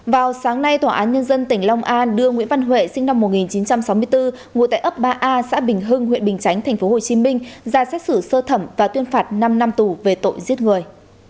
vào sáng nay tòa án nhân dân tỉnh long an đưa nguyễn văn huệ sinh năm một nghìn chín trăm sáu mươi bốn ngụ tại ấp ba a xã bình hưng huyện bình chánh tp hcm ra xét xử sơ thẩm và tuyên phạt năm năm tù về tội giết người